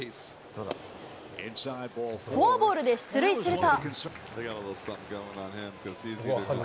フォアボールで出塁すると。